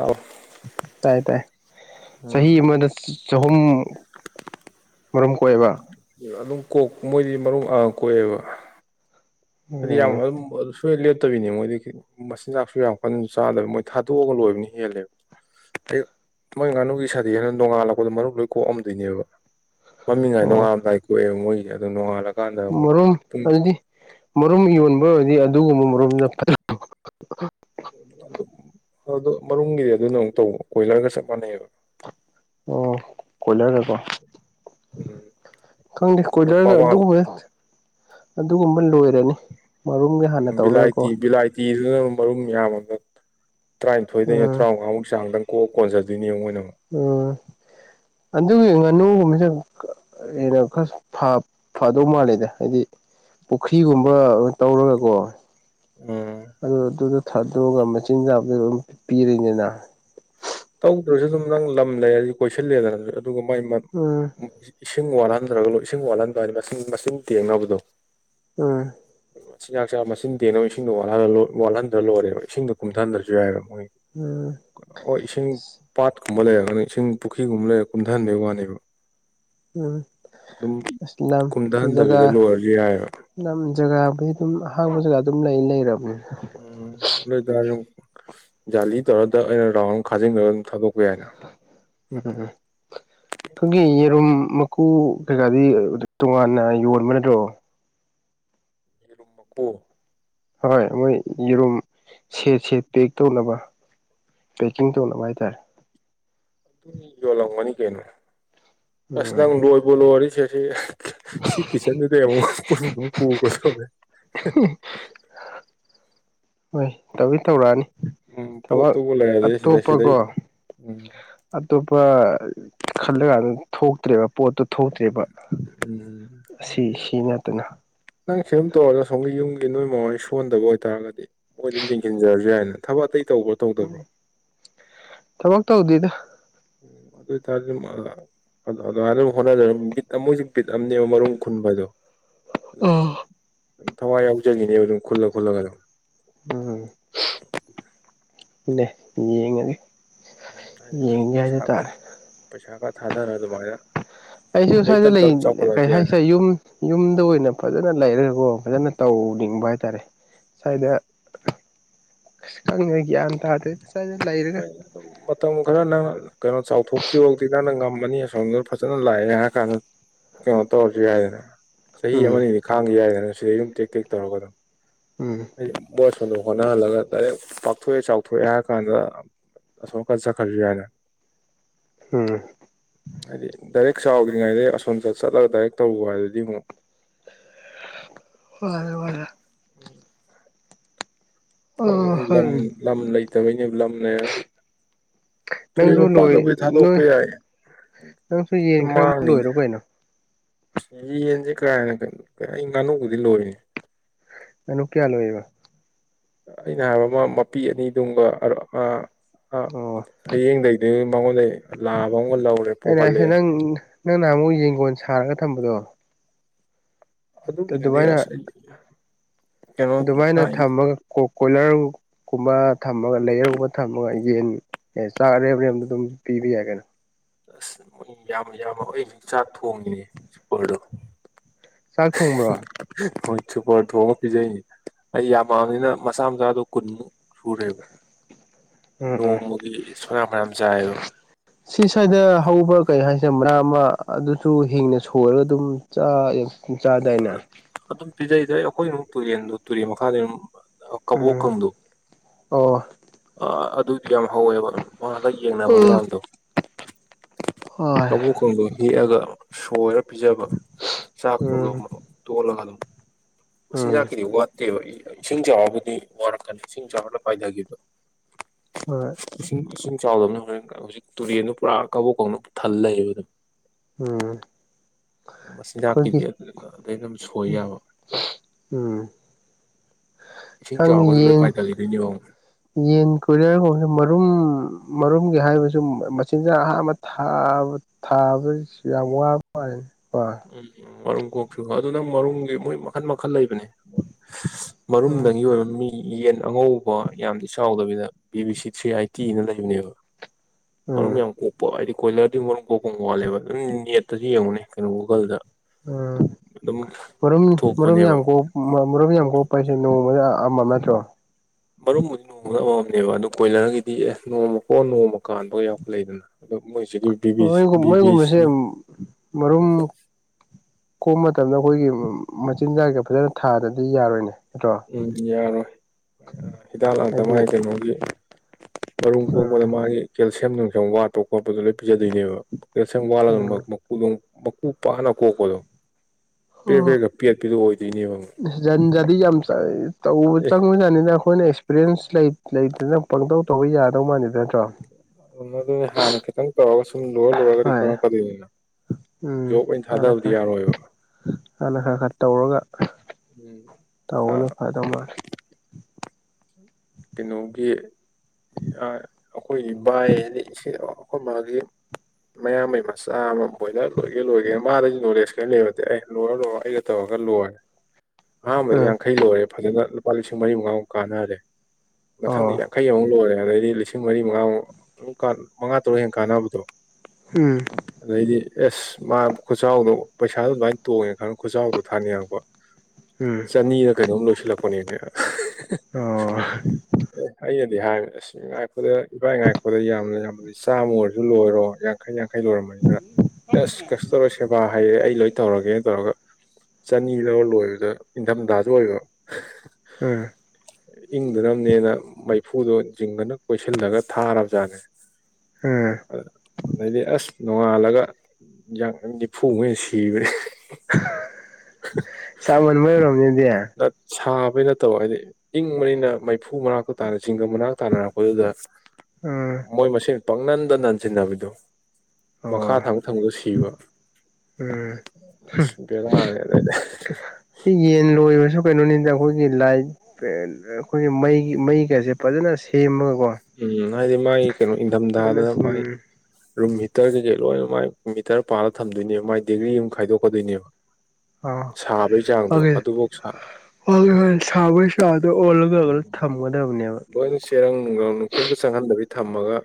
ꯑꯥꯎ ꯇꯥꯏ ꯇꯥꯏ ꯆꯍꯤ ꯑꯃꯗ ꯆꯍꯨꯝ ꯃꯔꯝ ꯀꯣꯛꯑꯕ ꯑꯗꯨꯝ ꯀꯣꯛ ꯃꯣꯏꯗꯤ ꯃꯔꯨꯝ ꯑ ꯀꯣꯛꯑꯦꯕ ꯑꯗꯨꯗꯤ ꯌꯥꯝ ꯎꯝ ꯑꯗꯨꯝ ꯁꯨꯂꯦꯞ ꯂꯦꯞꯇꯕꯤꯅꯤꯅꯦ ꯃꯣꯏꯗꯤ ꯃꯆꯤꯟꯖꯥꯛꯁꯨ ꯌꯥꯝ ꯀꯟꯅ ꯆꯥꯗꯕ ꯃꯣꯏ ꯊꯥꯗꯣꯛꯑꯒ ꯂꯣꯏꯕꯅꯤ ꯍꯦꯜꯂꯦꯕ ꯑꯩ ꯃꯣꯏ ꯉꯥꯅꯨꯒꯤ ꯁꯥꯗꯤ ꯍ ꯅꯣꯡꯉꯥꯜꯂꯛꯄꯗꯣ ꯃꯔꯨꯞ ꯂꯣꯏ ꯀꯣꯛꯑꯝꯗꯣꯏꯅꯦꯕ ꯃꯝꯃꯤꯉꯥꯏ ꯑꯣ ꯅꯣꯡꯉꯥꯂꯝꯗꯥꯏ ꯀꯣꯛꯑꯦꯕꯃꯣꯏꯒꯤꯗꯤ ꯑꯗꯨꯝ ꯅꯣꯉꯥꯟꯂꯛꯄ ꯃꯔꯨꯝ ꯑꯗꯨꯗꯤ ꯃꯔꯨꯝ ꯌꯣꯟꯕ ꯑꯣꯏꯔꯗꯤ ꯑꯗꯨꯒꯨꯝꯕ ꯃꯔꯨꯝꯗ ꯑꯗꯨ ꯃꯔꯨꯝꯒꯤꯗꯤ ꯑꯗꯨꯅ ꯑꯃꯨꯛ ꯇꯧꯕ ꯀꯣꯏꯂꯔꯒ ꯆꯞ ꯃꯥꯟꯅꯩꯑꯕ ꯑꯣ ꯀꯣꯏꯂꯔ ꯒꯥꯀꯣ ꯈꯪꯗꯦ ꯎꯝ ꯀꯣꯏꯂꯔ ꯃꯃꯥꯡ ꯑꯗꯨꯕ ꯑꯗꯨꯒꯨꯝꯕ ꯂꯣꯏꯔꯅꯤ ꯃꯔꯨꯝꯒꯤ ꯍꯥꯟꯅ ꯇꯧꯔꯒꯀꯣ ꯄꯤꯗꯨꯅꯕ ꯃꯔꯨꯝ ꯃꯌꯥꯝ ꯑꯃꯗ ꯇꯔꯥꯅꯤꯊꯣꯏꯗꯩꯅ ꯎꯝ ꯇꯔꯥꯃꯉꯥꯃꯨꯛ ꯆꯥꯡꯗꯪ ꯀꯣꯛ ꯀꯣꯟꯖꯗꯣꯏꯅꯦ ꯃꯣꯏꯅꯃꯛ ꯎꯝ ꯑꯗꯨꯒꯤ ꯉꯥꯅꯨꯒꯨꯝꯕꯁꯤ ꯍꯦꯟꯅ ꯈꯔ ꯐꯗꯧ ꯃꯥꯜꯂꯦꯗ ꯍꯥꯏꯗꯤ ꯄꯨꯈ꯭ꯔꯤꯒꯨꯝꯕ ꯇꯧꯔꯒꯀꯣ ꯎꯝ ꯑꯗꯨ ꯑꯗꯨꯗ ꯊꯥꯗꯣꯛꯑꯒ ꯃꯆꯤꯟꯖꯥꯛꯕꯁꯨ ꯑꯗꯨꯝ ꯄꯤꯔꯤꯅꯤꯅ ꯇꯧꯗ꯭ꯔꯁꯨ ꯑꯗꯨꯝ ꯅꯪ ꯂꯝ ꯂꯩꯔꯗꯤ ꯀꯣꯏꯁꯤꯜꯂꯦꯗꯅꯁꯨ ꯑꯗꯨꯒ ꯃꯥꯏ ꯎꯝ ꯏꯁꯤꯡ ꯋꯥꯠꯍꯟꯗ꯭ꯔꯒ ꯂꯣ ꯏꯁꯤꯡ ꯋꯥꯠꯍꯟꯕꯅꯤꯆ ꯃꯁꯤꯡꯆꯤꯟ ꯇꯦꯡꯅꯕꯗꯣ [unintelligible] ꯎꯝ ꯎ ꯆꯤꯟꯖꯥꯛ ꯆꯥꯛ ꯃꯆꯤꯟꯗꯦ ꯅ ꯏꯁꯤꯡꯗꯣꯍ ꯋꯥꯠꯍꯟ꯭ꯔ ꯂꯣꯏꯔꯦꯕ ꯏꯁꯤꯡꯗ ꯀꯨꯝꯊꯟꯗ꯭ꯔꯁꯨ ꯌꯥꯑꯕ ꯃꯣꯏ ꯎꯝ ꯍꯣꯏ ꯏꯁꯤꯡ ꯄꯥꯠꯀꯨꯝꯕ ꯂꯩꯔꯒꯅꯤ ꯏꯁꯤꯡ ꯄꯨꯈ꯭ꯔꯤꯒꯨꯝꯕ ꯂꯩꯔꯒ ꯀꯨꯝꯊꯍꯟꯕꯩ ꯋꯥꯅꯦꯕ ꯎꯝ ꯑꯗꯨꯝ ꯑꯁ ꯀꯨꯝꯊꯍꯟꯗꯕꯤꯗ ꯂꯣꯏꯔꯁꯨ ꯌꯥꯏꯑꯕ ꯅ ꯖꯒꯥꯕꯨꯩ ꯑꯗꯨꯝ ꯑꯍꯥꯡꯕ ꯖꯒꯥ ꯑꯗꯨꯝ ꯂꯩ ꯂꯩꯔꯕꯅꯤꯅ ꯎꯝ ꯑꯗꯨ ꯑꯣꯏꯇꯥꯔ ꯑꯗꯨ ꯖꯥꯂꯤ ꯇꯧꯔꯗ ꯑꯩꯅ ꯔꯥꯎꯟ ꯈꯥꯖꯤꯟꯈꯒ ꯑꯗꯨꯝ ꯊꯥꯗꯣꯛꯄ ꯌꯥꯏꯅ ꯎꯝ ꯑꯩꯈꯣꯏꯒꯤ ꯌꯦꯔꯨꯝ ꯃꯀꯨ ꯀꯩꯀꯥꯗꯤ ꯇꯣꯉꯥꯟꯅ ꯌꯣꯟꯕ ꯅꯠꯇ꯭ꯔꯣ ꯆꯨꯝꯃꯛꯄꯨ ꯍꯣꯏ ꯃꯣꯏ ꯌꯦꯔꯨꯝ ꯁꯦꯠ ꯁꯦꯠ ꯄꯦꯛ ꯇꯧꯅꯕ ꯄꯦꯛꯀꯤꯡ ꯇꯣꯂꯅꯨꯡ ꯍꯥꯏꯇꯥꯔꯦ ꯑꯗꯨꯝ ꯌꯣꯜꯂꯝꯒꯅꯤ ꯀꯩꯅꯣ ꯑꯁ ꯎꯝ ꯅꯪ ꯂꯣꯏꯕ ꯂꯣꯏꯔꯤꯁꯦ ꯁꯤ [unintelligible] ꯁꯤ ꯀꯈꯤꯁꯗꯨ ꯄꯍ ꯀꯃꯦ [unintelligible] ꯎ [unintelligible] ꯍꯣꯏ ꯇꯧꯗꯤ ꯇꯧꯔꯛꯑꯅꯤ ꯎꯝ ꯊꯕꯛ ꯄꯣꯠꯇꯨꯕꯨ ꯂꯩꯔꯗꯤ ꯁꯤꯗꯩ ꯁꯤꯗꯩ ꯑꯇꯣꯞꯄꯀꯣ ꯎꯝ ꯑꯇꯣꯞꯄ ꯈꯜꯂꯀꯥꯟꯗ ꯊꯣꯛꯇ꯭ꯔꯦꯕ ꯄꯣꯠꯇꯨ ꯊꯣꯛꯇ꯭ꯦꯕ ꯎꯝ ꯑꯁꯤ ꯍꯥꯏꯗꯤ ꯁꯤ ꯅꯠꯇꯅ ꯅꯪ ꯁꯨꯝ ꯇꯧꯔꯒ ꯁꯣꯝꯒꯤ ꯌꯨꯝꯒꯤ ꯅꯣꯏ ꯃꯃꯥꯡꯒꯤ ꯁꯣꯟꯗꯕ ꯑꯣꯏꯇꯥꯔꯒꯗꯤ ꯃꯣꯏ ꯑꯗꯨꯝ ꯌꯦꯡꯁꯤꯟꯖꯔꯁꯨ ꯌꯥꯏꯅ ꯊꯕꯛ ꯑꯇꯩ ꯇꯧꯕ ꯎꯝ ꯊꯕꯛ ꯇꯧꯗꯦꯗ ꯎꯝ ꯑꯗꯨꯏꯇꯗꯤ ꯃꯜꯂꯥꯛ ꯑ ꯑꯗꯨ ꯍꯥꯏ ꯑꯗꯨꯝ ꯍꯣꯠꯅꯖꯔ ꯕꯤꯠ ꯃꯣꯏꯁꯨ ꯕꯤꯠ ꯑꯃꯅꯦꯕ ꯃꯔꯨꯝ ꯈꯨꯟꯕꯗꯣ ꯑꯗꯨꯝ ꯑ ꯊꯋꯥꯏ ꯌꯥꯎꯖꯈꯤꯅꯦꯕ ꯑꯗꯨꯝ ꯈꯨꯜꯂ ꯈꯣꯠꯂꯒ ꯑꯗꯨꯝ ꯎꯝ ꯌꯦꯉꯗꯤ ꯎꯝ ꯍꯥꯏꯗꯤ ꯄꯩꯁꯥ ꯈ ꯄꯩꯁꯥ ꯈ ꯊꯥꯗꯔ ꯑꯗꯨꯃꯥꯏꯅ ꯑꯩꯁꯨꯦ ꯑꯗꯩ ꯁ꯭ꯋꯥꯏꯗ ꯇꯞ ꯂꯩ ꯇꯞ ꯀꯩ ꯆꯥꯎꯈꯠꯂꯛꯑꯁꯨ ꯌꯥꯏꯅ ꯍꯥꯏꯁꯦ ꯌꯨꯝ ꯌꯨꯝꯗ ꯑꯣꯏꯅ ꯐꯖꯅ ꯂꯩꯔꯒꯀꯣ ꯐꯖꯅ ꯇꯧꯅꯤꯡꯕ ꯍꯥꯏꯇꯥꯔꯦ ꯁ꯭ꯋꯥꯏꯗ ꯈꯪꯅꯦ ꯒ꯭ꯌꯥꯟ ꯇꯥꯗꯦ ꯂꯩ ꯍꯣꯏ ꯑꯗꯨꯝ ꯃꯇꯝ ꯈꯔꯥ ꯅꯪ ꯀꯩꯅꯣ ꯆꯥꯎꯊꯣꯛꯇ꯭ꯔꯤꯐꯎ ꯅꯪꯅ ꯉꯝꯃꯅꯤ ꯑꯁꯣꯝꯗ ꯐꯖꯅ ꯂꯥꯛꯑꯦ ꯍꯥꯏ ꯀꯥꯟꯗ ꯀꯩꯅꯣ ꯇꯧꯔꯁꯨ ꯌꯥꯏꯌꯦꯗꯅ ꯆꯍꯤ ꯎꯝ ꯑꯃꯅꯤ ꯑꯗꯤ ꯈꯥꯡꯉ ꯌꯥꯏꯗꯅ ꯁꯤꯗ ꯁꯨꯝ ꯇꯦꯛ ꯇꯦꯛ ꯇꯧꯔꯒ ꯑꯗꯨꯝ ꯎꯝ ꯑꯩ ꯕꯣꯠ ꯁꯣꯟꯗ ꯍꯣꯠꯅꯍꯜꯂꯒ ꯗꯥꯏꯔꯦꯛ ꯄꯥꯛꯊꯣꯛꯑꯦ ꯆꯥꯎꯊꯣꯛꯑꯦ ꯍꯥꯏꯔ ꯀꯥꯟꯗ ꯑꯁꯣꯝꯀ ꯆꯠꯈ꯭ꯔꯁꯤ ꯍꯥꯏꯅ ꯎꯝ ꯍꯥꯏꯗꯤ ꯗꯥꯏꯔꯦꯛ ꯆꯥꯎꯗ꯭ꯔꯤꯉꯩꯗꯩ ꯑꯁꯣꯝꯗ ꯆꯠꯂꯒ ꯗꯥꯏꯔꯦꯛ ꯇꯧꯕ ꯍꯥꯏꯗꯨꯗꯤ ꯑꯃꯨꯛ [unintelligible] ꯑꯥ ꯑꯩꯈꯣꯏ ꯂꯝ ꯍꯪ ꯂꯝ ꯂꯩꯇꯕꯩꯅꯦꯕ ꯂꯝ ꯂꯩꯔꯗꯤ ꯅꯪꯁꯨ ꯂꯣꯏ ꯅꯣꯏ ꯊꯥꯗꯣꯛꯄ ꯌꯥꯏ ꯅꯪꯁꯨ ꯑꯗꯨꯝ ꯌꯦꯟ ꯈꯔꯃꯨꯛ ꯃꯥꯡꯅꯤꯅꯦ ꯂꯣꯏꯔꯣ ꯀꯩꯅꯣ ꯌꯦꯟꯁꯦ ꯀꯔ ꯍꯥꯏꯅꯣ ꯑꯩ ꯉꯥꯅꯨꯕꯨꯗꯤ ꯂꯣꯏꯔꯤꯅꯦ ꯃꯅ ꯀꯌꯥꯜ ꯑꯣꯏꯌꯦꯕ ꯑꯩꯅ ꯍꯥꯏꯕ ꯑꯃ ꯃꯄꯤ ꯑꯅꯤꯗꯨꯕ ꯑꯣ ꯍꯌꯦꯡꯗꯒꯤꯩꯗꯤ ꯃꯉꯣꯟꯗꯒꯤꯩ ꯂꯥꯕ ꯑꯃꯒ ꯂꯧꯔꯦ ꯄꯨꯍꯜꯂꯦ ꯎꯝ ꯅꯪ ꯅꯍ ꯑꯃꯨꯛ ꯌꯦꯡꯒꯣꯟ ꯁꯥꯔꯒ ꯊꯝꯕꯗꯣ ꯑꯗꯨꯒꯤꯗꯨꯗꯤ ꯑꯗꯨꯃꯥꯏꯅ ꯑꯁꯗꯤ ꯑꯗꯨꯃꯥꯏꯅ ꯊꯝꯃꯒ ꯀꯣ ꯀꯣꯂꯔ ꯨꯝꯕ ꯊꯝꯃꯒ ꯂꯩꯌꯔꯒꯨꯝꯕ ꯊꯝꯃꯒ ꯌꯦꯟ ꯑꯦ ꯆꯥꯛ ꯑꯔꯦꯝꯕꯅꯝꯗ ꯑꯗꯨꯝ ꯄꯤꯕ ꯌꯥꯏꯒꯩꯅꯣ ꯑꯁ ꯃꯣꯏ ꯌꯥꯝ ꯌꯥꯝ ꯑꯩꯛ ꯆꯥꯛ ꯊꯣꯡꯉꯤꯅꯦꯄꯜꯗꯣ ꯆꯥꯛ ꯊꯣꯡꯕ꯭ꯔꯣ ꯍꯣꯏ ꯁꯨꯄꯔ ꯊꯣ ꯑꯃ ꯄꯤꯖꯩꯅꯦ ꯑꯩ ꯌꯥꯝꯃꯛꯑꯕꯅꯤꯅ ꯃꯆꯥ ꯃꯆꯥꯗꯣ ꯀꯨꯟꯃꯨꯛ ꯁꯨꯔꯦꯕ ꯎꯝ ꯎꯝ ꯅꯣꯡꯃꯒꯤ ꯁꯣꯔꯥ ꯃꯌꯥꯝ ꯆꯥꯏꯌꯦꯕ ꯁꯤ ꯁ꯭ꯋꯥꯏꯗ ꯍꯧꯕ ꯀꯩ ꯍꯥꯏꯁꯦ ꯃꯅꯥ ꯑꯃ ꯑꯗꯨꯁꯨ ꯍꯤꯡꯅ ꯁꯣꯏꯔꯒ ꯑꯗꯨꯝ ꯆ ꯌꯦ ꯆꯥꯗꯥꯏꯅꯦ ꯑꯗꯨꯝ ꯄꯤꯖꯩꯖꯩ ꯑꯩꯈꯣꯏꯅꯃꯨꯛ ꯇꯨꯔꯦꯟꯗꯣ ꯇꯨꯔꯦꯟ ꯃꯈꯥꯗꯨ ꯎꯝ ꯀꯕꯣꯛꯀꯪꯗꯣ ꯑꯣ ꯑꯗꯨꯗꯤ ꯌꯥꯝ ꯍꯧꯋꯦꯕ ꯍꯟꯗꯛ ꯌꯦꯡꯅꯕ ꯎꯝ ꯃꯌꯥꯝꯗꯣ ꯍꯣꯏ ꯀꯕꯣꯛꯀꯪꯗꯣ ꯍꯦꯛꯑꯒ ꯁꯣꯏꯔ ꯄꯤꯖꯕ ꯆꯥꯛꯇꯨꯒ ꯎꯝ ꯇꯣꯠꯂꯒ ꯑꯗꯨꯝ ꯎꯝ ꯃꯆꯤꯟꯖꯥꯛꯀꯤꯗꯤ ꯋꯥꯠꯇꯦ ꯅꯠꯇꯦꯕ ꯏꯁꯤꯡ ꯆꯥꯎꯔꯕꯨꯗꯤ ꯋꯥꯔꯛꯀꯅꯤ ꯏꯁꯤꯡ ꯆꯥꯕꯅ ꯄꯥꯏꯊꯈꯤꯕꯗꯣ ꯍꯣꯏ ꯏꯁꯤꯡ ꯏꯁꯤꯡ ꯆꯥꯎꯗꯕꯅꯤꯅ ꯇꯨꯔꯦꯟꯗꯣ ꯍꯧꯖꯤꯛ ꯄꯨꯔꯥ ꯀꯕꯣꯛꯀꯪꯅ ꯊꯜꯂ ꯂꯩꯌꯦꯕ ꯑꯗꯨꯝ ꯎꯝ ꯑꯩꯈꯣꯏꯒꯤ ꯃꯆꯤꯟꯖꯥꯛꯀꯤꯗꯤ ꯑꯗꯩ ꯑꯗꯨꯝ ꯁꯣꯏ ꯎꯝ ꯌꯥꯕ ꯎꯝ ꯏꯁꯤꯡ ꯈꯪꯗꯦ ꯆꯥꯎꯔꯒꯗꯤ ꯂꯣꯏ ꯌꯦꯟ ꯄꯥꯏꯊꯈꯤꯗꯣꯏꯅꯦꯕꯣ ꯌꯦꯟ ꯀꯣꯏꯂꯔꯒꯨꯝꯕꯁꯨ ꯃꯔꯨꯝ ꯃꯔꯨꯝꯒꯤ ꯍꯥꯏꯕꯁꯨ ꯃꯆꯤꯟꯖꯥꯛ ꯑꯍꯥꯟꯕ ꯊꯥꯕ ꯊꯥꯕ ꯁꯤ ꯌꯥꯥꯝ ꯋꯥꯕ ꯃꯥꯜꯂꯤꯀꯣ ꯎꯝ ꯎꯝ ꯃꯔꯨꯝ ꯀꯣꯛꯁꯨ ꯑꯗꯨꯅ ꯃꯔꯨꯝꯒꯤ ꯃꯣꯏ ꯃꯈꯟ ꯃꯈꯜ ꯂꯩꯕꯅꯦ ꯎꯝ ꯃꯔꯨꯝꯗꯪꯒꯤ ꯑꯣꯏꯕ ꯃꯤ ꯌꯦꯟ ꯑꯉꯧꯕ ꯌꯥꯝꯗꯤ ꯆꯥꯎꯗꯕꯤꯗ ꯕꯤ ꯕꯤ ꯁꯤ ꯊ꯭ꯔꯤ ꯑꯥꯏꯇꯤꯅ ꯂꯩꯕꯅꯦꯕ ꯎꯝ ꯃꯔꯨꯝ ꯌꯥꯝ ꯀꯣꯛꯄ ꯍꯥꯏꯗꯤ ꯀꯣꯏꯂꯔꯗꯨ ꯃꯔꯨꯝ ꯀꯣꯛꯄ ꯋꯥꯠꯂꯦꯕ ꯑꯗꯨꯝ ꯅꯦꯠꯇꯁꯨ ꯌꯦꯡꯉꯨꯅꯦ ꯀꯩꯅꯣ ꯒꯨꯒꯜꯗ ꯎꯝ ꯑꯗꯨꯝ ꯃꯔꯨꯝ ꯃꯔꯨꯝ ꯊꯣꯛꯄꯅꯦꯕ ꯌꯥꯝ ꯀꯣꯛ ꯃꯔꯨꯞ ꯌꯥꯝ ꯀꯣꯛꯄ ꯍꯥꯏꯁꯦ ꯅꯣꯡꯃꯗ ꯑꯃ ꯅꯠꯇ꯭ꯔꯣ ꯃꯔꯨꯝꯕꯨꯗꯤ ꯅꯣꯡꯃ ꯅ ꯑꯃꯝꯅꯦꯕ ꯑꯗꯨ ꯀꯣꯏꯂꯔꯒꯤꯗꯤ ꯑꯦ ꯅꯣꯡꯃ ꯀꯣꯛ ꯅꯣꯡꯃ ꯀꯥꯟꯕꯒ ꯌꯥꯎꯈꯠꯂꯗꯅ ꯑꯗꯣ ꯃꯣꯏꯁꯤꯒꯤ ꯕꯤ ꯃꯣꯏꯒꯨꯝ ꯕꯤꯕꯤ ꯁꯤ ꯃꯣꯏꯒꯨꯝꯕꯁꯦ ꯃꯔꯨꯝ ꯀꯣꯛꯄ ꯃꯇꯝꯗ ꯑꯩꯈꯣꯏꯒꯤ ꯃꯆꯤꯟꯖꯥꯛꯁꯦ ꯐꯖꯅ ꯊꯥꯗꯗꯤ ꯌꯥꯔꯣꯏꯅꯦ ꯅꯠꯇ꯭ꯔꯣ ꯎꯝ ꯌꯥꯔꯣꯏ ꯍꯤꯗꯥꯛ ꯂꯥꯡꯊꯛ ꯍꯥꯏꯗꯤ ꯃꯥꯏ ꯀꯩꯅꯣꯒꯤ ꯃꯔꯨꯝ ꯀꯣꯛꯄꯗ ꯎꯝ ꯃꯥꯒꯤ ꯀꯦꯜꯁꯤꯌꯝ ꯅꯨꯡꯁꯝ ꯋꯥꯠꯄ ꯈꯣꯠꯄꯗꯣ ꯂꯣꯏ ꯄꯤꯖꯗꯣꯏꯅꯦꯕ ꯀꯦꯜꯁꯤꯌꯝ ꯋꯥꯠꯂ ꯑꯗꯨꯅꯃꯛ ꯀꯣꯂꯣꯡ ꯃꯀꯨ ꯄꯥꯅ ꯀꯣꯛꯄꯗꯣ ꯄꯕ꯭ꯔꯦ ꯄꯔꯦꯒ ꯄꯦꯠꯄꯤꯗꯣ ꯑꯣꯏꯗꯣꯏꯅꯦꯕ ꯑꯃꯛ ꯖꯟ ꯖꯥꯟꯗꯤ ꯌꯥꯝ ꯇꯧꯕ ꯑꯦ ꯆꯪꯕꯖꯥꯅꯤꯗ ꯑꯩꯈꯣꯏꯅ ꯑꯦꯛꯁꯄꯤꯔꯤꯌꯦꯟꯁ ꯂꯩ ꯂꯩꯗ ꯅꯪ ꯄꯪꯇꯧ ꯇꯧꯕ ꯌꯥꯗꯧ ꯃꯥꯥꯟꯜꯂꯤꯗ ꯅꯠꯇ꯭ꯔꯣ ꯎꯝ ꯑꯗꯨ ꯍꯥꯟꯅ ꯈꯦꯪ ꯇꯧꯔꯒ ꯁꯨꯝ ꯂꯣꯏꯔ ꯂꯣꯏꯔꯒꯗꯤ ꯍꯣꯏ ꯈꯪꯉꯛꯀꯗꯣꯏꯅꯤꯅ ꯎꯝ ꯖꯣꯕ ꯑꯣꯏꯅ ꯍꯥꯟꯅ ꯊꯥꯗꯕꯗꯤ ꯈꯔ ꯌꯥꯔꯣꯏꯕ ꯍꯥꯟꯅ ꯈꯔ ꯈꯔ ꯇꯧꯔꯒ ꯎꯝ ꯇꯧꯕꯅ ꯐꯗꯧ ꯃꯥꯜꯜꯂꯤ ꯀꯩꯅꯣꯒꯤ ꯑꯩꯈꯣꯏꯒꯤ ꯕꯥꯏ ꯍꯥꯏꯗꯤ ꯏꯁꯤꯡ ꯑꯩꯈꯣꯏ ꯃꯥꯒꯤ ꯃꯌꯥꯝꯕꯩ ꯃꯆꯥ ꯑꯃ ꯃꯣꯏꯅ ꯂꯣꯏꯒꯦ ꯂꯣꯏꯒꯦ ꯃꯥꯅ ꯅꯣꯂꯦꯖ ꯀꯦꯝ ꯂꯩꯕ ꯅꯠꯇꯦ ꯑꯩ ꯂꯣꯏꯔꯣ ꯂꯣꯏꯔ ꯑꯩꯒ ꯇꯧꯔꯒ ꯂꯣꯏꯔꯦ ꯑꯍꯥꯟꯕꯩ ꯎꯝ ꯌꯥꯡꯈꯩ ꯂꯣꯏꯔꯦ ꯐꯖꯅ ꯂꯨꯄꯥ ꯂꯤꯁꯤꯡ ꯃꯔꯤ ꯃꯉꯥꯃꯨꯛ ꯀꯥꯟꯅꯔꯦ ꯃꯊꯪꯗ ꯑꯣ ꯌꯥꯡꯈꯩ ꯑꯃꯨꯛ ꯂꯣꯏꯔꯦ ꯑꯗꯩꯗꯤ ꯂꯤꯁꯤꯡ ꯃꯔꯤ ꯃꯉꯥꯃꯨꯛ ꯑꯃꯨꯛ ꯃꯉꯥ ꯇꯔꯨꯛ ꯍꯦꯟꯟꯅ ꯀꯥꯟꯅꯕꯗꯣ ꯎꯝ ꯑꯗꯩꯗꯤ ꯑꯦꯁ ꯃꯥ ꯈꯨꯆꯥꯎꯗꯣ ꯄꯩꯁꯥꯗꯣ ꯑꯗꯨꯃꯥꯏꯅ ꯇꯣꯡꯉꯦ ꯈꯜꯅ ꯈꯨꯆꯥꯎꯗꯣ ꯊꯥꯅꯤꯡꯉꯛꯄ ꯎ [inaudible] ꯎꯝ ꯆꯅꯤꯔ ꯀꯩꯅꯣꯝ ꯂꯣꯏꯁꯤꯜꯂꯛꯄꯅꯦꯃꯦ ꯑꯣ ꯑꯦ ꯑꯩꯩꯅꯗꯤ ꯍꯥꯏꯕꯅꯦ ꯑꯁ ꯉꯥꯏꯈꯣꯗ ꯏꯕꯥꯏ ꯉꯥꯏꯈꯣꯗ ꯌꯥꯝꯅ ꯌꯥꯝꯅ ꯆꯥꯝꯃ ꯑꯣꯏꯔꯁꯨ ꯂꯣꯏꯔꯣ ꯌꯥꯝ ꯌꯥꯡꯈꯩ ꯌꯥꯡꯈꯩ ꯂꯣꯏꯔꯝꯕꯗꯨꯗ ꯑꯗꯨꯅ ꯑꯁ ꯀꯩꯁꯨ ꯇꯧꯔꯣꯏ ꯁꯦꯕꯥ ꯍꯩꯔꯦ ꯑꯩ ꯂꯣꯏ ꯇꯧꯔꯒꯦꯅ ꯇꯧꯔꯒ ꯆꯅꯤ ꯂꯧꯔ ꯂꯣꯏꯕꯗ ꯏꯪꯊꯝꯊꯥꯁꯨ ꯑꯣꯏꯕ ꯎꯝ ꯏꯪꯗꯅꯕꯅꯦꯅ ꯃꯩꯐꯨꯗꯣ ꯖꯤꯡꯒꯅ ꯀꯣꯏꯁꯤꯜꯂꯒ ꯊꯥꯔꯕꯖꯥꯠꯅꯦ ꯎꯝ ꯑ [inaudible] ꯑꯗꯩꯗꯤ ꯑꯁ ꯅꯣꯡꯉꯥꯜꯂꯒ ꯌꯥꯡ ꯅꯤꯐꯨ ꯃꯨꯛ ꯁꯤꯕꯅꯦ ꯁꯥꯃꯟꯕꯩ ꯑꯣꯏꯔꯝꯅꯤ ꯑꯗꯨꯗꯤ ꯁꯥꯕꯩ ꯅꯠꯇꯕ ꯍꯥꯏꯗꯤ ꯏꯪꯕꯅꯤꯅ ꯃꯩꯐꯨ ꯃꯅꯥꯛꯇ ꯇꯥꯅ ꯖꯤꯡꯒ ꯃꯅꯥꯛꯇ ꯇꯥꯅꯔꯛꯄꯗꯨꯗ ꯎꯝ ꯃꯣꯏ ꯃꯁꯤꯡ ꯄꯪꯅꯟꯗ ꯅꯟꯁꯤꯟꯅꯕꯤꯗꯣ ꯑꯣ ꯃꯈꯥ ꯊꯪꯕ ꯊꯪꯕꯗꯣ ꯁꯤꯕ ꯎꯝ ꯑꯁ ꯕꯦꯔꯅꯤ ꯑꯗꯩꯗꯤ ꯁꯤ ꯌꯦꯟ ꯂꯣꯏꯕꯁꯨ ꯀꯩꯅꯣꯅꯤꯗ ꯑꯩꯈꯣꯏꯒꯤ ꯂꯥꯏ ꯑꯩꯈꯣꯏꯒꯤ ꯃꯩꯒꯤ ꯃꯩꯒꯁꯦ ꯐꯖꯅ ꯁꯦꯝꯃꯒꯀꯣ ꯎꯝ ꯍꯥꯏꯗꯤ ꯃꯥꯥꯏ ꯀꯩꯅꯣ ꯐꯖꯅ ꯏꯪꯊꯝꯊꯥꯗ ꯃꯥꯏ ꯔꯨꯝ ꯍꯤꯇꯔ ꯀꯩꯀꯩ ꯂꯣꯏꯅ ꯃꯥꯏ ꯍꯇꯔ ꯄꯥꯜꯂ ꯊꯝꯗꯣꯏꯅꯦꯕ ꯃꯥꯏ ꯗꯤꯒ꯭ꯔꯤ ꯑꯃ ꯈꯥꯏꯗꯣꯛꯀꯗꯣꯏꯅꯦꯕ ꯁꯥꯕꯒꯤ ꯆꯥꯡꯗꯣ ꯑꯦ ꯑꯗꯨꯐꯧ ꯍ ꯁꯥꯕꯩ ꯆꯗ ꯑꯣꯜꯂꯒ [inaudible] ꯊꯝꯒꯗꯕꯅꯦꯕ ꯂꯣꯏꯅ ꯁꯦꯔꯪ ꯅꯨꯡꯒ [inaudible] ꯅꯨꯡꯊꯦꯝꯝꯇ ꯆꯪꯍꯟꯗꯕꯤ ꯊꯝꯃꯒ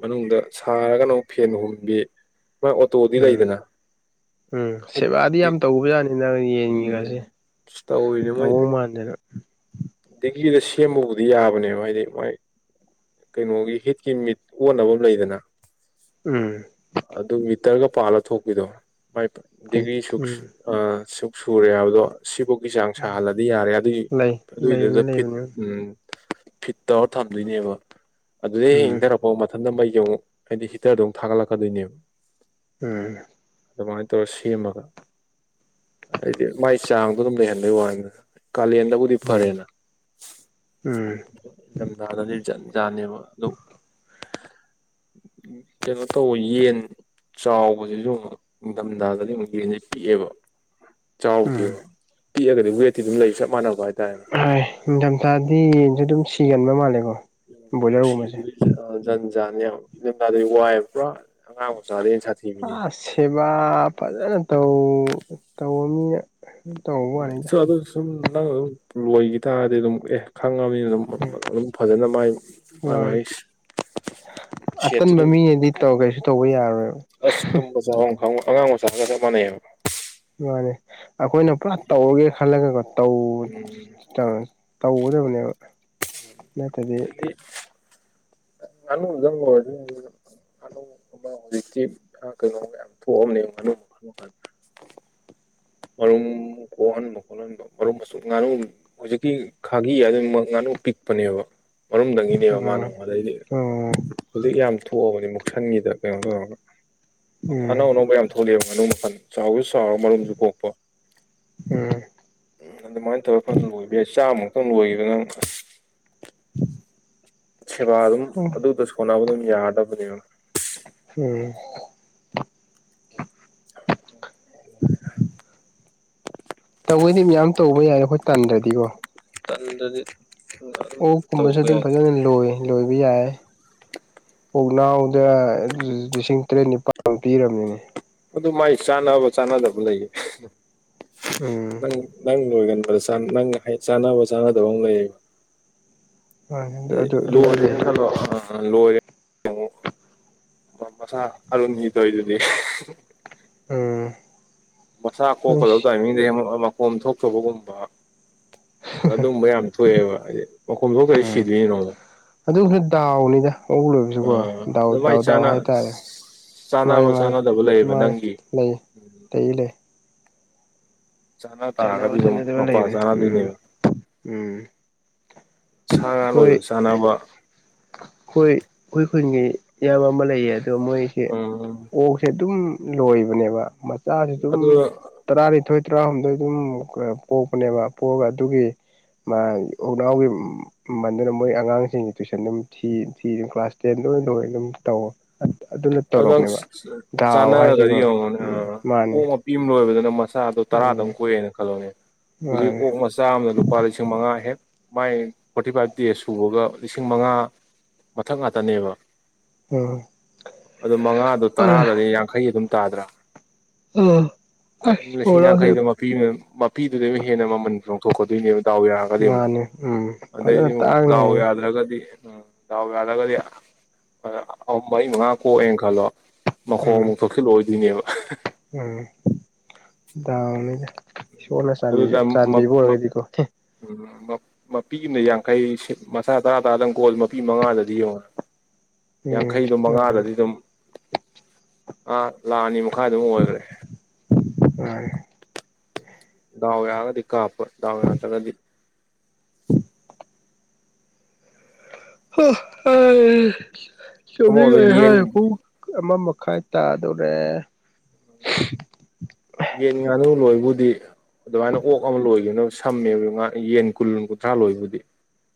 ꯃꯅꯨꯡꯗ ꯁꯥꯔꯒꯅ ꯑꯃꯨꯛ ꯐꯦꯟ ꯎꯨꯡꯕꯤ ꯃꯥ ꯑꯣꯇꯣꯗꯤ ꯎꯝ ꯂꯩꯗꯅ ꯎꯝ ꯁꯦꯕꯥꯗꯤ ꯑꯩꯈꯣꯏꯗꯤ ꯌꯥꯝ ꯇꯧꯕꯖꯠꯅꯤꯗ ꯌꯦꯟꯒꯤꯒꯥꯁꯦ ꯇꯧꯔꯤꯁꯦ ꯃꯣꯢꯅ ꯃꯖꯔ [inaudible] ꯗꯦꯒꯤꯗ ꯁꯦꯝꯃꯕꯨꯗꯤ ꯌꯥꯕꯅꯦꯕ ꯍꯥꯏꯗꯤ ꯃꯣꯏ ꯀꯩꯅꯣꯒꯤ ꯍꯤꯠꯀꯤ ꯃꯤꯠ ꯑꯣꯟꯅꯕ ꯑꯃ ꯂꯩꯗꯅ ꯎꯝ ꯑꯗꯨ ꯃꯤꯇꯔꯒ ꯄꯥꯜꯂ ꯊꯣꯛꯄꯤꯗꯣ ꯃꯥꯏ ꯗꯤꯒ꯭ꯔꯤ ꯁꯨꯛ ꯎꯝ ꯑꯥ ꯁꯨꯛ ꯁꯨꯔꯦ ꯍꯥꯏꯕꯗꯣ ꯁꯤꯐꯥꯎꯒꯤ ꯆꯥꯡ ꯁꯥꯍꯜꯂꯗꯤ ꯌꯥꯔꯦ ꯑꯗꯨꯏꯒꯤ ꯂꯩ ꯂꯩꯕꯅꯤ ꯑꯗꯨꯒꯤꯗꯨꯗ ꯐꯤꯠ ꯂꯩꯕꯅꯤ ꯎꯝ ꯐꯤꯠ ꯇꯧꯔ ꯊꯝꯗꯣꯏꯅꯦꯕ ꯑꯗꯨꯗꯩ ꯎꯝ ꯍꯥꯟꯊꯔꯛꯄ ꯑꯣ ꯃꯊꯟꯇ ꯃꯩꯁꯦ ꯑꯃꯨꯛ ꯍꯥꯏꯗꯤ ꯍꯤꯇꯥꯔꯗ ꯑꯃꯨꯛ ꯊꯒꯠꯂꯛꯀꯗꯣꯏꯅꯦꯕ ꯎꯝ ꯑꯗꯨꯃꯥꯏꯅ ꯇꯧꯔꯒ ꯁꯦꯝꯃꯒ ꯍꯥꯏꯗꯤ ꯃꯥꯏ ꯆꯥꯡꯗꯣ ꯑꯗꯨꯝ ꯂꯩꯍꯟꯕꯩ ꯋꯥꯅꯤ ꯀꯥꯂꯦꯟꯗꯕꯨꯗꯤ ꯎꯝ ꯐꯔꯦꯅ ꯎꯝ ꯏꯝꯊꯥꯗꯗꯤ ꯖꯠꯖꯥꯠꯅꯦꯕ ꯑꯗꯨ ꯀꯩꯅꯣ ꯇꯧꯋꯦ ꯌꯦꯟ ꯆꯥꯎꯕꯁꯤꯁꯨ ꯑꯃꯨꯛ ꯅꯤꯡꯊꯝꯊꯒꯗꯤ ꯑꯃꯨꯛ ꯌꯦꯟꯒꯥꯁꯦ ꯄꯤꯛꯑꯦꯕ ꯎꯝ ꯆꯥꯎꯗꯦꯕ ꯄꯤꯛꯑꯒꯗꯤ ꯋꯦꯠꯇꯤ ꯑꯗꯨꯝ ꯂꯩꯕ ꯆꯞ ꯃꯥꯟꯅꯕ ꯍꯥꯏꯇꯥꯔꯦꯅꯦ ꯍꯣꯏ ꯅꯤꯡꯊꯝꯊꯥꯗꯤ ꯌꯦꯟꯁꯨ ꯑꯗꯨꯝ ꯁꯤꯒꯟꯕ ꯃꯥꯜꯂꯦꯀꯣ ꯎꯝ ꯑꯗꯨ ꯕꯣꯏꯂꯔꯒꯨꯝꯕꯁꯦ ꯁꯤꯗꯤ ꯖꯟꯖꯥꯅꯦ ꯌꯥꯝ ꯏꯝꯗꯥꯗꯩ ꯋꯥꯏꯑꯕ ꯄꯨꯔꯥ ꯑꯉꯥꯡ ꯑꯣꯏꯁꯨ ꯑꯗ ꯑꯩꯅ ꯁꯥꯊꯤ ꯃꯤꯅꯦ ꯑꯁ ꯁꯦꯕꯥ ꯐꯖꯅ ꯇꯧ ꯇꯧꯕ ꯃꯤꯅ ꯍ ꯇꯣ ꯁ ꯑꯗꯨ ꯁꯨꯝ ꯅꯪ ꯑꯗꯨꯝ ꯂꯣꯏꯈꯤ ꯇꯥꯔꯗꯤ ꯑꯗꯨꯝ ꯑꯦ ꯈꯪꯉꯕꯅꯤꯅ ꯑꯗꯨꯝ ꯑꯗꯨꯝ ꯐꯖꯅ ꯃꯥꯏ ꯃꯥꯥꯏ ꯃꯥꯅꯦ ꯃꯥꯥꯏ ꯑꯇꯟꯕ ꯃꯤꯉꯗꯤ ꯇꯧ ꯀꯩꯁꯨ ꯇꯧꯕ ꯌꯥꯔꯣꯏꯕ ꯆꯥꯛꯍ ꯈꯪꯕ ꯑꯉꯥꯡꯕ ꯃꯆꯥꯔꯒ ꯆꯞ ꯃꯥꯟꯅꯩꯕ ꯃꯥꯅꯤ ꯑꯩꯈꯣꯏꯅ ꯄꯨꯔꯥ ꯇꯧꯔꯒꯦ ꯈꯜꯂꯒꯀꯣ ꯇꯧ ꯎꯝ ꯇꯧꯒꯗꯕꯅꯦꯕ ꯅꯠꯇ꯭ꯔꯗꯤ ꯑꯅꯗꯪꯒꯣ ꯉꯥꯅꯨ ꯑꯃ ꯍꯧꯖꯤꯛꯇꯤ ꯀꯩꯅꯣ ꯌꯥꯝ ꯊꯣꯛꯑꯝꯅꯦ ꯉꯥꯅꯨ ꯈꯨ ꯀꯥꯟꯗ ꯃꯔꯨꯝ ꯀꯣꯍꯟꯕ ꯀꯣꯜꯍꯟꯕ ꯃꯔꯆ ꯉꯅꯨ ꯍꯧꯖꯤꯛꯀꯤ ꯈꯥꯒꯤ ꯍꯥꯏ ꯑꯗꯨ ꯉꯥꯅꯨ ꯄꯤꯛꯄꯅꯦꯕ ꯃꯔꯨꯝꯪꯗꯒꯤꯅꯦꯕ ꯎꯝ ꯃꯥꯅꯣꯟꯗꯩꯗꯤ ꯎꯝ ꯍꯧꯖꯤꯛ ꯌꯥꯝ ꯊꯣꯛꯑꯕꯅꯤ ꯃꯨꯛꯁꯟꯒꯤꯗ ꯀꯩꯅꯣ ꯇꯧꯔꯒ ꯎꯝ ꯑꯅꯧ ꯑꯅꯧꯕ ꯌꯥꯝ ꯊꯣꯛꯂꯛꯑꯕ ꯃꯅꯨꯡꯜ ꯆꯥꯎꯕꯁꯨ ꯆꯥꯎꯔ ꯃꯔꯨꯝꯁꯨ ꯀꯣꯛꯄ ꯎꯝ ꯎꯝ ꯑꯗꯨꯃꯥꯏꯅ ꯊꯧꯔꯒ ꯐꯅ ꯂꯣꯏꯕ ꯌꯥꯏ ꯆꯥꯝꯃꯨꯛꯇꯪ ꯂꯣꯏꯈꯤꯕ ꯅꯪ ꯁꯦꯕꯥ ꯑꯗꯨꯝ ꯎꯝ ꯑꯗꯨꯗ ꯁꯣꯟꯅꯕ ꯑꯗꯨꯝ ꯌꯥꯗꯕꯅꯦꯕ ꯎꯝ [unintelligible] ꯇꯧꯕꯩꯗꯤ ꯃꯌꯥꯝ ꯇꯧꯕ ꯌꯥꯔꯦ ꯑꯩꯣꯏ ꯇꯟꯗ꯭ꯔꯗꯤꯀꯣ ꯇꯟꯗꯗꯤ ꯑꯗꯨꯝ ꯑꯣꯛꯀꯨꯝꯕꯁꯨ ꯇꯧꯕ ꯑꯗꯨꯝ ꯌꯥꯏꯗ ꯐꯖꯅ ꯂꯣꯏ ꯂꯣꯏꯕ ꯌꯥꯏ ꯄꯣꯛꯅꯥꯎꯗ ꯂꯤꯁꯤꯡ ꯇꯔꯦꯠ ꯅꯤꯄꯥꯜ ꯄꯤꯔꯕꯅꯤꯅꯦ ꯑꯗꯨ ꯃꯥꯏ ꯆꯥꯟꯅꯕ ꯆꯥꯅꯗꯕ ꯂꯩꯌꯦ ꯑ ꯅꯪ ꯅꯪ ꯂꯣꯏꯒꯟꯕꯗ ꯅꯪ ꯍꯥꯏ ꯆꯥꯟꯅꯕ ꯆꯥꯅꯗꯕ ꯑꯃ ꯂꯩꯌꯦꯕ ꯃꯥꯅꯦ ꯑꯗꯨ ꯑꯗꯨ ꯑꯗꯨꯗꯤ ꯂꯩ ꯂꯅ ꯍꯂꯣ ꯂꯉ ꯝ ꯃꯆꯥ ꯅꯤꯡꯗꯣꯏ ꯑꯗꯨꯅꯤ ꯑꯥ ꯃꯁꯆꯥ ꯀꯣꯛꯀꯗꯕ ꯇꯥꯔ ꯃꯤꯗꯩ ꯃꯀꯣꯝ ꯊꯣꯛꯆꯕꯒꯨꯝꯕ ꯑꯗ ꯑꯗꯨꯝꯕ ꯌꯥꯝ ꯊꯣꯛꯑꯦꯕ ꯍꯥꯏꯗꯤ ꯃꯈꯣꯝ ꯊꯣꯛꯇꯗꯤ ꯎꯝ ꯁꯤꯗꯣꯏꯅꯣ ꯑꯃꯨꯛ ꯑꯗꯨꯁꯨ ꯗꯥꯎꯅꯤꯗ ꯑꯣꯛ ꯂꯣꯏꯕꯁꯨꯀꯣ ꯗꯥꯎ ꯗꯥꯎ ꯗꯥꯎ ꯍꯥꯏꯇꯥꯔꯦ ꯃꯥꯅꯤ ꯆꯥꯟꯅꯕ ꯆꯥꯟꯅꯗꯕ ꯂꯩꯌꯦꯕ ꯅꯪꯒꯤ ꯇꯩ ꯂꯩꯦ ꯆꯥꯅ ꯆꯥꯟꯅꯕ ꯇꯥꯔꯒꯗꯤ ꯑꯗꯨꯝ ꯆꯥꯟꯅꯗꯕ ꯃꯄꯥ ꯂꯩꯕꯅꯦ ꯎꯝ ꯆꯥꯅꯗꯣꯏꯅꯦꯕ ꯎꯝ ꯁꯥ ꯉꯥꯟ ꯑꯣꯏꯕ ꯆꯥꯅꯕ ꯍꯣꯏ ꯑꯩꯈꯣꯏ ꯈꯨꯟꯒꯤ ꯏꯌꯥꯝꯕ ꯑꯃ ꯂꯩꯌꯦ ꯑꯗꯣ ꯃꯣꯏꯁꯦ ꯎꯝ ꯑꯣꯛꯁꯦ ꯑꯗꯨꯝ ꯂꯣꯏꯕꯅꯦꯕ ꯃꯆꯥꯁꯤ ꯑꯗꯨꯝ ꯑꯗꯨꯒ ꯇꯔꯥꯅꯤꯊꯣꯏ ꯇꯔꯥꯍꯨꯝꯗꯣꯏ ꯑꯗꯨꯝ ꯄꯣꯛꯄꯅꯦꯕ ꯄꯣꯛꯑꯒ ꯑꯗꯨꯒꯤ ꯃꯥ ꯎꯅꯥꯎꯒꯤ ꯃꯗꯨꯅ ꯃꯣꯏ ꯑꯉꯥꯡꯁꯤꯡꯒꯤ ꯇꯨꯏꯁꯟ ꯑꯗꯨꯝ ꯊꯤ ꯊꯤ ꯀ꯭ꯂꯥꯁ ꯇꯦꯟꯗ ꯑꯗꯨꯝ ꯇꯧꯋꯣ ꯑꯪ ꯆꯥꯟꯅꯔꯒꯗꯤ ꯍꯥꯏꯁꯤꯀꯣ ꯎꯝ ꯃꯥꯅꯦ ꯌꯦꯡꯉꯣꯅꯦ ꯄꯤꯝ ꯂꯣꯏꯕꯗꯅ ꯃꯁꯥꯗꯣ ꯇꯔꯥꯗꯪ ꯎꯝ ꯀꯨꯏꯦꯅ ꯈꯜꯂꯣꯅꯦ ꯍꯧꯖꯤꯛ ꯃꯥꯅꯦ ꯑꯣꯛ ꯃꯆꯥ ꯑꯃꯅ ꯂꯨꯄꯥ ꯂꯤꯁꯤꯡ ꯃꯉꯥ ꯍꯦꯛ ꯃꯥꯏ ꯐꯣꯔꯇꯤ ꯐꯥꯏꯚ ꯗꯦꯖ ꯁꯨꯕꯒ ꯂꯤꯁꯤꯡ ꯃꯉꯥ ꯃꯊꯛ ꯉꯥꯛꯇꯅꯦꯕ ꯎꯝ ꯑꯗꯨ ꯃꯉꯥꯗꯣ ꯇꯔꯥꯗꯗꯤ ꯌꯥꯡꯈꯩ ꯑꯗꯨꯝ ꯇꯥꯗ꯭ꯔꯥ ꯑ ꯂꯤꯁꯤꯡ ꯌꯥꯡꯈꯩꯗ ꯃ ꯃꯄꯤꯗꯨꯗꯗꯒꯤ ꯍꯦꯟꯅ ꯃꯃꯟ ꯆꯣꯡꯊꯣꯛꯀꯗꯣꯏꯅꯦꯕ ꯗꯥꯎ ꯌꯥꯔꯒꯗꯤ ꯑꯃꯨꯛ ꯃꯥꯅꯦ ꯎꯝ ꯐꯖꯅ ꯑꯗꯩꯗꯤꯛ ꯇꯥꯡꯅ ꯗꯥꯎ ꯌꯥꯗ꯭ꯔꯒꯗꯤ ꯎꯝ ꯗꯥꯎ ꯌꯥꯔꯒꯗꯤ ꯑꯍꯨꯝ ꯃꯔꯤ ꯃꯉꯥ ꯀꯣꯛꯑꯦꯅ ꯈꯜꯂꯣ ꯃꯈꯣꯡ ꯑꯃꯨꯛ ꯊꯣꯛ ꯜ ꯂꯣꯏ ꯑꯣꯏꯗꯣꯏꯅꯦꯕ ꯎꯝꯅ ꯁꯅ ꯆꯝ ꯆꯥꯝꯃꯤꯕ ꯑꯣꯏꯔꯒꯗꯤꯀꯣ ꯎꯝ ꯃꯄꯤ ꯑꯃꯅ ꯌꯥꯡꯈꯩ ꯃꯁꯥ ꯇꯥꯗꯥꯥꯗꯪ ꯒꯣꯜ ꯃꯄꯤ ꯃꯉꯥꯗꯗꯤ ꯌꯦꯡꯉꯦ ꯎꯝ ꯌꯥꯡꯈꯩꯗꯨꯣ ꯃꯉꯥꯗꯗꯤ ꯑꯗꯨꯝ ꯑ ꯂꯥꯛ ꯑꯅꯤ ꯃꯈꯥꯏ ꯑꯗꯨꯝ ꯑꯣꯏꯈ꯭ꯔꯦ ꯑ ꯗꯥꯎ ꯌꯥꯒꯗꯤ ꯀꯥꯞꯄ ꯗꯥꯎ ꯌꯥ ꯇ꯭ꯔꯒꯗꯤ ꯎꯝ ꯍ ꯍ ꯑꯃꯔꯣꯝꯗ ꯆꯕꯤꯒ ꯍꯥꯏ ꯌꯦꯟ ꯄꯨꯡ ꯑꯃ ꯃꯈꯥꯏ ꯇꯥꯗꯣꯔꯦ ꯌꯦꯟ ꯉꯥꯅꯨ ꯂꯣꯏꯕꯨꯗꯤ ꯑꯗꯨꯃꯥꯏꯅ ꯑꯣꯛ ꯑꯃ ꯂꯣꯏꯒꯅ ꯁꯝꯃꯦꯕ ꯉ ꯌꯦꯟ ꯀꯨꯟ ꯀꯨꯟꯊ꯭ꯔꯥ ꯂꯣꯏꯕꯨꯗꯤ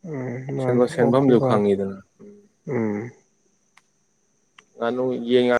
ꯎꯝ ꯃꯥꯅꯦ ꯁꯦꯟꯐꯝꯁꯨ ꯑꯣꯀꯦꯀꯣ ꯈꯪꯉꯤꯗꯅ ꯎꯝ ꯉꯅꯨ ꯌꯦꯡꯉ